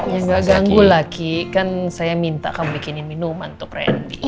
yang gak ganggu lagi kan saya minta kamu bikinin minuman untuk randy